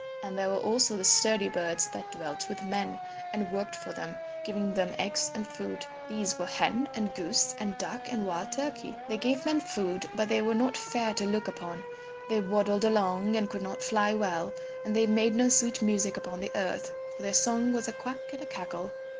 And there were also the sturdy birds that dwelt with men and worked for them, giving them eggs and food. These were Hen and Goose and Duck and Wild Turkey. They gave men food, but they were not fair to look upon; they waddled along and could not fly well and they made no sweet music upon the earth, for their song was a quack and a cackle.